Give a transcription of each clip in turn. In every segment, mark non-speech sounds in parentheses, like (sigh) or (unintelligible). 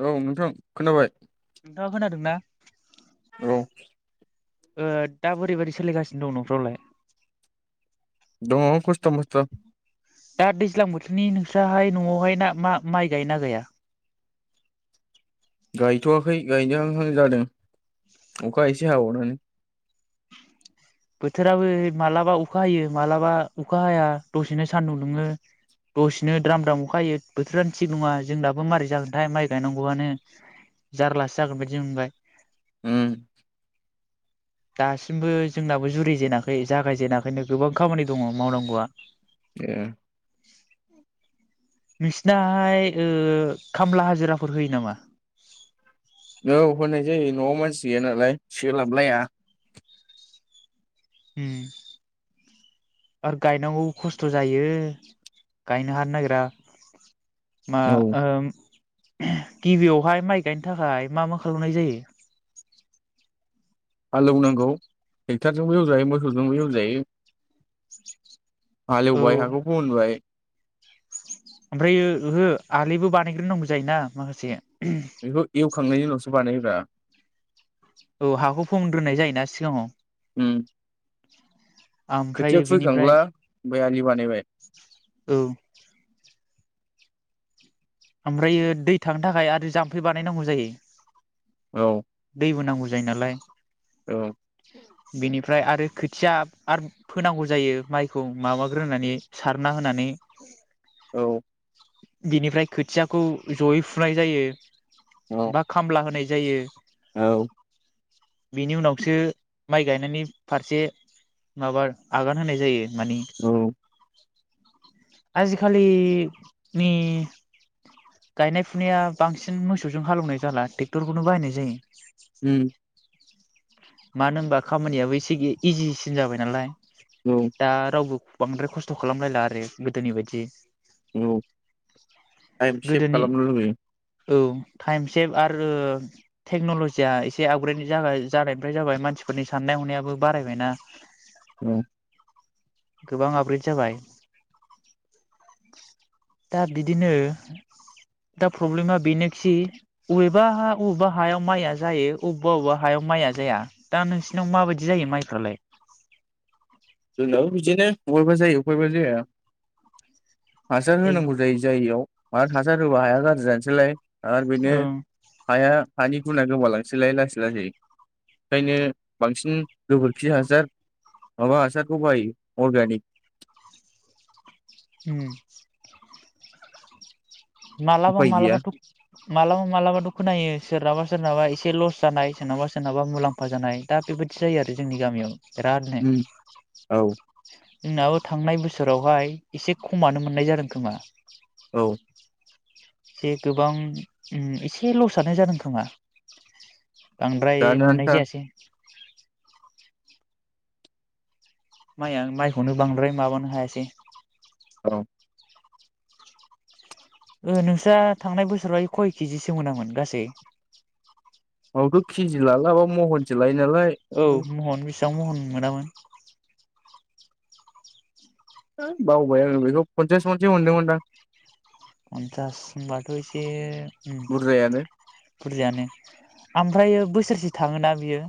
औ नोंथां खोनाबाय नोंथाङा खोनादोंना औ ओ दा बोरै बोरै सोलिगासिनो दं न'फ्रावलाय दङ खसथ मस्थ दा दैज्लां बोथोरनि नोंस्राहाय न'आवहाय ना मा माइ गायो ना गाया गायथ'वाखै गायनोहांहां जादों अखा एसे हाबावनानै बोथोराबो मालाबा अखा हायो मालाबा अखा हाया दसेनो सान्दुं दुङो दसेनो द्राम द्राम अखा हायो बोथोरानो थिग नङा जोंनाबो मारै जागोनथाय माइ गायनांगौआनो जारलासो जागोन बायदि मोनबाय उम दासिमबो जोंनाबो जुरि जेनाखै जागाय जेनाखैनो गोबां खामानि दङ मावनांगौआ ए (inaudible) नोंसिनाहाय ओ खामला हाजिराफोर होयो नामा औ होनाय जायो न'आव मानसि गैया नालाय सोलाबलाया उम आरो गायनांगौ खस्थ' जायो गायनो हानो नागिरा मा औ ओ गिबियावहाय माइ गायनो थाखाय मा मा खालामनाय जायो हालौ नांगौ टेक्टरजोंबो एवजायो मोसौजोंबो एवजायो औ हालेवबाय हाखौ फोमोनबाय ओमफ्राय ओहो आलिबो बानायग्रोनांगौ जायोना माखासे बेखौ एवखांनायनि उनावसो बानायोब्रा औ हाखौ फोमोनग्रोनाय जायोना सिगाङाव उम (unintelligible) खोथिया बेनिफ्राय फोखांब्ला ओमफाय आलि बानायबाय औ आमफ्रायो दै थांनो थाखाय आरो जाम्फै बानायनांगौ जायो औ बो नांगौ जायो नालाय ओ बिनिफ्राय आरो खोथिया आरो फोनांगौ जायो माइखौ माबाग्रोनानै सारना होनानै औ बिनिफ्राय खोथियाखौ जयै फुनाय जायो औ बा खामला होनाय जायो औ बिनि उनावसो माइ गायनायनि फारसे माबा आगान होनाय जायो मानि औ आजिखालि नि गायनाय फुनाया बांसिन मोसौजों हालेवनाय जाला टेक्टरखौनो बाहायनाय जायो उम मानो होमबा खामानियाबो एसे इजिसिन जाबाय नालाय औ दा रावबो बांद्राय खस्थ' खालामलायला आरो गोदोनि बायदि औ लायफ सेभ गोदोनि खालामनो लुबैयो औ टाइम सेभ आरो टेक्न'ल'जिया एसे आपग्रेड जानाय ओमफ्राय जाबाय मानसिफोरनि साननाय हनायाबो बारायबायना औ गोबां आपग्रेड जाबाय दा बिदिनो दा प्रब्लेमा बेनोखि बबेबा बबेबा हायाव माइया जायो अबेबा अबेबा हायाव माइया ज जाया दा नोंसिनाव माबायदि जायो माइफ्रालाय जोंनो बिदिनो बबायबा जायो बबायबा जाया हासार होनांगौ जायो जायियाव मानो हासार होबा हाया गाज्रि जानोसैलाय आरो बेनो ओं हाया हानि गुना गोमालांसै लाय लासै लासै ओंखायनो बांसिन गोबोरखि हासार माबा हासार खौ बायो अर्गानिक उ मालाबा उफाय गैया मालाबाथ मालाबा मालाबाथ' खोनायो सोरहाबा सोरनाबा एसे लस जानाय सोरनाबा सोरनाबा मुलाम्फा जानाय दा बेबायदि जायो आरो जोंनि गामियाव बेरादनो उम औ जोंनाबो थांनाय बोसोरावहाय एसे खमानो मोननाय जादों खोमा औ जे गोबां ओ एसे लस जानाय जादों खोमा बांद्राय जानो मोननाय आन्था जायासै (inaudible) माइआ माइखौनो बांद्राय माबानो हायासै औ ओ नोंस्रा थांनाय बोसोराव खय केजिसो मोनामोन गासै आथ' केजि लालाबा महनसो लाय औ महन बिस सिबां महन मोनामोन हो बावबाय आङो बेखौ फनसास मनसो मोनदोंमोनदां पन्सास होनबाथ' एसे उम बुरजायानो बुरजायानो ओमफ्राय बैस सेरसे थाङोना बियो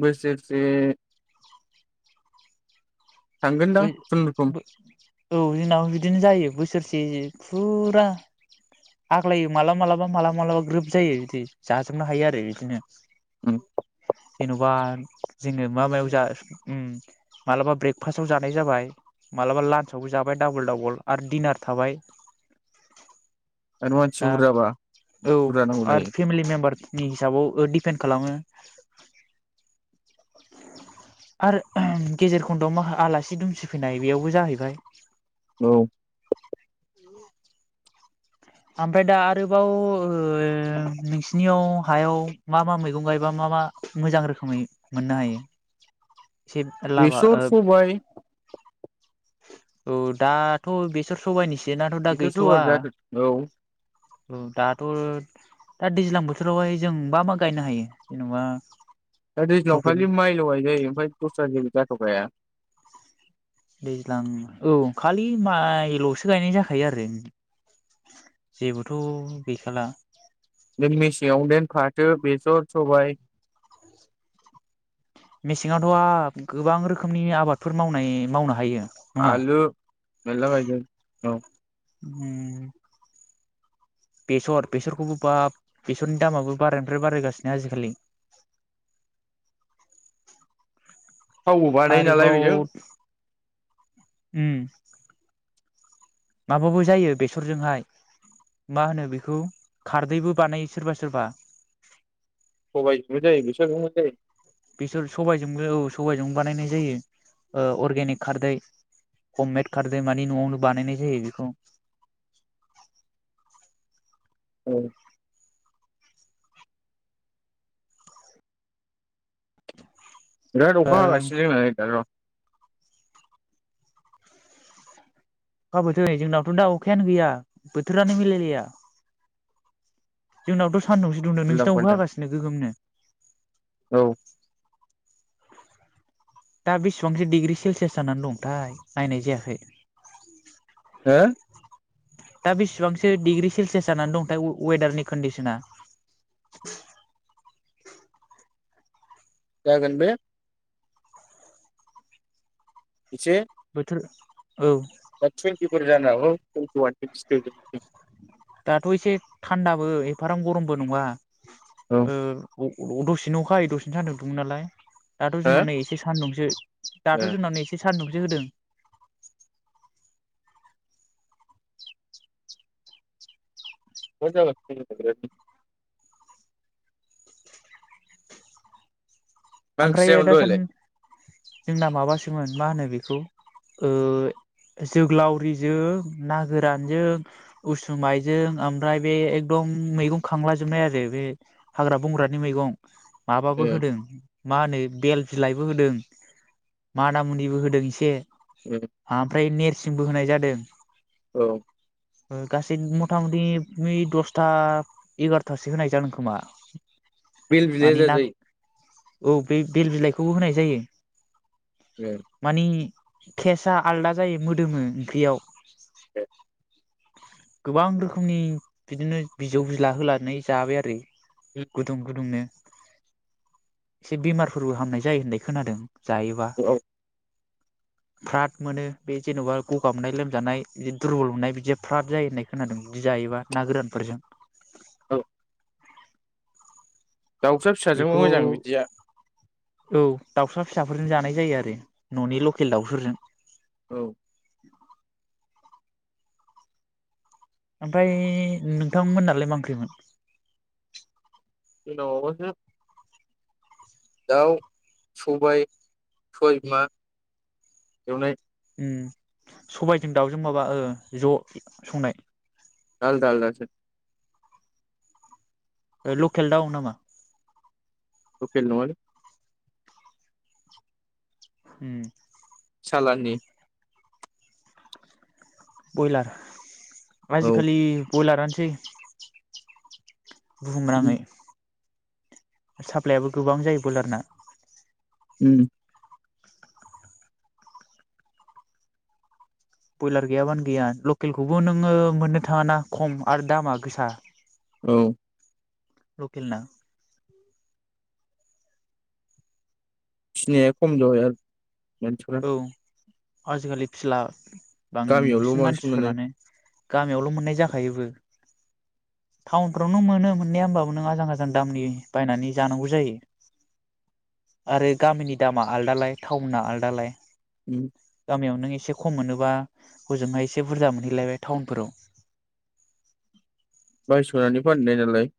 बोसोरसे थांगोनदां खुनुरुखुम औ जोंनाबो बिदिनो जायो बोस रसे फुरा आग्लायो मालाबा मालाबा मालाबा मालाबा ग्रोब जायो बिदि जाजोबनो हायो आरो बिदिनो उम जेन'बा जोङो म मायाव मालाबा ब्रेकफास्ट फ्राआव जानाय जाबाय मालाबा लान्चावबो जाबाय डाबल डाबल आरो दिनार थाबाय आरो मानसि दा बुरजाबा औ बुरजा नांगौ जायो आरो फेमिलि मेम्बारनि हिसाबाव दिपेन्ड खालामो आरो गेजेर खन्दआव म आलासि दुमसिफैनाय बेयावबो जाहैबाय औ ओमफ्राय दा आरोबाव ओ नोंसिनियाव हायाव मा मा मैगं गायबा मा मा मोजां रोखोमै मोननो हायो एसे लाबा बेसर ओ सबाय औ दाथ' बेसर सबायनिसो देटाथ दा बेसर सबाय गैथ'वा बिराद औ दाथ' दा दैज्लां बोथोरावहाय जों मा मा गायनो हायो जेनेबा दा दैज्लांआव खालि माइल' गायजायो ओमफ्राय दस्रा जायगाया (unintelligible) दैज्लां औ खालि माइल'सो गायनाय जाखायो आरो जेबोथ' गैखाला बे मेसेंआव देन फाथो बेसर सबाय मेसेङावथ' आब गोबां रोखोमनि आबादफोर मावनाय मावनो हायो नङा आलु मेरला गायजायो औ होम बेसर बेसरखौबो बाब बेसरनि दामाबो बारायनायनिफ्राय बारायगासिनो आजिखालि थावबो बानायो नालाय आरोबाव बेजों उम माबाबो जायो बेसरजोंहाय मा होनो बेखौ खारदैबो बानायो सोरबा सोरबा सबाइजोंबो जायो बेसरजोंबो जायो बिसोर सबाइजोंबो औ सबाइजों बानायनाय जायो ओ अर्गेनिक खारदै हममेड खारदै मानि न'आवनो बानायनाय जायो बेखौ औ बिराद अखा हागसि जोंना नै दा अखाबोथोर नै जोंनावथ' दा अखायानो गैया बोथोरानो मिलाय लाया जों (unintelligible) सानदुंसो दुंदों उल्दां नोंसिनावबो फाल्दां हागासिनो गोगोमनो औ दा बेसेबांसो डिग्रि सेलसियास जानानै दंथाय नायनाय जायाखै हो दा बेसेबांसो डिग्रि सेलसियास जानानै दंथाय वेदारनि कन्डिसना जागोन बे एसे बोथोर औ। दा थुइनथिफोर जानो हागौ थुनथिववान, थुनथिथु दाथ' एसे थान्दाबो एफारां गरमबो नङा। औ ओ दसे अखा हायो दसेनो सान्दुं दुंओ नालाय। दाथ' हो जोंनाव नै एसे सान्दुं (unintelligible) ए दाथ' जोंनाव नै एसे सान्दुं होदों (unintelligible) मा ओंख्रि आमफ्रायो जायामोन दहायलाय दासान्दि जोंना माबासोमोन मा होनो बेखौ ओ जोग्लावरिजों ना गोरानजों उसुमाइजों ओमफ्राय बे एकदम मैगं खांलाजोबनाय आरो बे हाग्रा-बंग्रानि मैगं। माबाबो ए होदों मा होनो बेल बिलाइबो होदों मानामुनिबो होदों एसे ए ओमफ्राय नेरसिंबो होनाय जादों। औ। गासै मथा मथि नै दसथा एगार'थासो होनाय जादों खोमा। बेल बिलाया मानि ना जाजायो? औ बे बेल बिलाइखौबो होनाय जायो। ए मानि टेसआ आलदा जायो मोदोमो ओंख्रियाव। (unintelligible) गोबां रोखोमनि बिदिनो बिजौ बिजला होनानै जाबाय आरो। ए गुदुं गुदुंनो एसे बेमारफोरबो हामनाय जायो होननाय खोनादों। जायोबा। औ फ्राथ मोनो बे जेन'बा गगामनाय लोमजानाय दुरबल मोननाय बिदि फ्राद जायो होननाय खोनादों बिदि जायोबा ना गोरानफोरजों। औ दाउसा फिसाजोंबो बेखौ मोजां बिदिया औ दाउसारा फिसाफोरजों जानाय जायो आरो न'नि लकेल दाउफोरजों। औ। ओमफ्राय नोंथांमोननालाय मा ओंख्रिमोन? हेल' (unintelligible) दाउ, सबाय, सयमा एवनाय। सबायजों दाउजों माबा ओ ज' संनाय? आलदा आलदा सो। ओ लकेल दाउ नामा? लकेल नङालै। उम। सालानि। बयलार औ आजिखालि बयलारानोसै उम बुहुमनाङै साप्लायाबो गोबां जायो बयलारना उम बयलार गैयाबानो गैया लकेलखौबो नोङो मोननो थाङाना खम आरो दामा गोसा औ लकेलना फिनाया खम जाबायना मानसिफोरा औ आजिखालि फिला गामियावल' बांसिन मोनो मानसिफोरानो गामियावल' मोननाय जाखायोबो टाउनफ्रावनो मोनो मोननाया ओमबाबो नों आजां आजां दामनि बायनानै जानांगौ जायो आरो गामिनि दामा आलदालाय टाउना आलदालाय उम गामियाव नों एसे खम मोनोबा हजोंहाय एसे बुरजा मोनहैलायबाय टाउनफोराव बायस'नानै फानहैनाय नालाय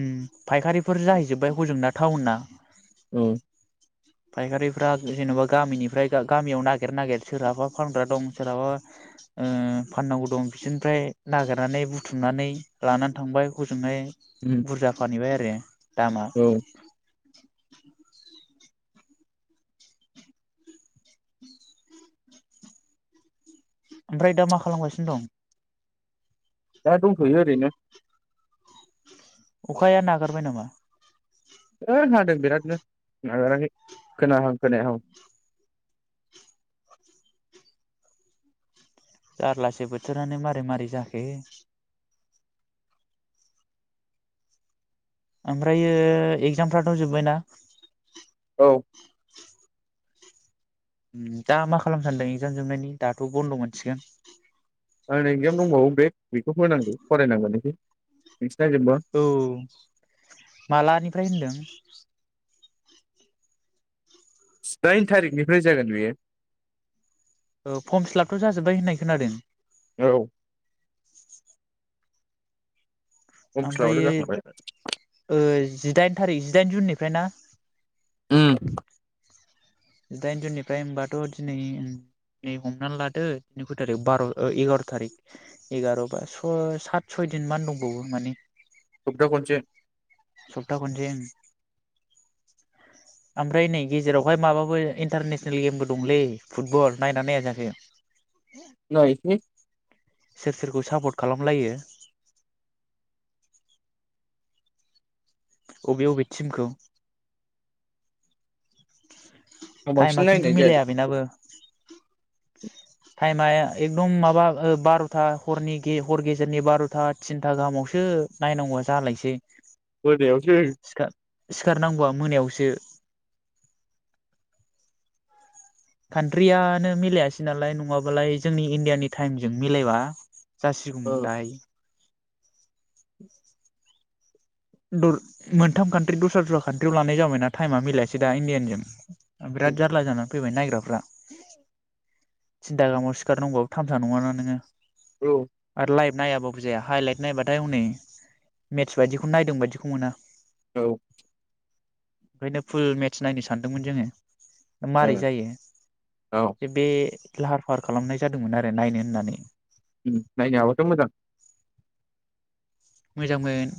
उम फायखारिफोर जाहैजोब्बाय हजोंना टाउनना औ फायखारिफ्रा जेन'बा गामिनिफ्राय ओ गामियाव नागिर नागिर सोरहाबा फानग्रा दं सोरहाबा ओ फाननांगौ दं बिसोरनिफ्राय नागिरनानै बुथुमनानै लानानै थांबाय हजोंहाय उम बुरजा फानहैबाय आरो (unintelligible) दामा (inaudible) औ ओमफ्राय दा मा खालामगासिनो दं? दा दंथ'यो ओरैनो अखाया नागारबाय नामा? ओ हादों बिरादनो नागाराखै खोनाहां खोनायाहां जारलासो बोथोरानो मारै मारै जाखो ओमफ्रायो एगजामफ्राथ' जोबबायना? औ दा मा खालाम सानदों एगजाम जोबनायनि दाथ' बन्द' मोनसिगोन ओरै एगजाम दंबावो बेग बेखौ होनांगौ फरायनांगौ फरायना लानोसै औ मालानिफ्राय होनदों? (inaudible) दाइन थारिखनिफ्राय जागोन बेयो ओ फर्म फिलापथ' जाजोबबाय होननाय खोनादों औ फर्म फिलापआथ' ओमफ्रायओ जाखांबाय ओज जिदाइन थारिख जिदाइन जुननिफ्राय ना? उम जिदाइन जुननिफ्राय होमबाथ' दिनै नै हमनानै लादो दिनै खै थारिख बार' एगार' थारिख एगार' बा स सात सय दिन मान दंबावो माने सप्ता खनसे सबता खनसे ओं ओमफ्राय नै गेजेरावहाय माबा बो इन्टारनेसनेल गेमबो दंलै फुटबल नायना नाया जाखो नायसै सोर सोरखौ सापर्ट खालाम लायो अबे अबे थिमखौ आं (inaudible) टाइमा बांसिन खिन्थु नायनाय जाया मिलाया बेनाबो टाइमा ओ एकदम माबा बार'था हरनि गे हर गेजेरनि बार'था थिनथा गाहामावसो नायनांगौआ जालायसै मोनायावसो सिखार सिखारनांगौआ मोनायावसो कान्ट्रियानो मिलायासै नालाय नङाबालाय जोंनि इण्डियानि टाइमजों मिलायबा जासिगौमोन औ दायो (inaudible) दल मोनथाम कान्ट्रि दस्रा दस्रा कान्ट्रियाव लानाय जाबाय ना टाइमा मिलायासै दा इनडियानजों बिराद जारला जाना फैबाय नायग्राफ्रा थिनथा गाहामाव सिखार नांगौआबो थामसा नङाना नोङो औ आरो लाइभ नायाबाबो जाया हाइलाइट नायबाथाय हनै मेथ्स बायदिखौ बे नायदों बायदिखौ मोना औ ओंखायनो फुल मेटचस नायनो सानदोंमोन जोङो मारै औ जायो औ जे बे लाहार फाहार खालामनाय जादोंमोन आरो नायनो होननानै नायनो हाबाथ' मोजां मोजांमोन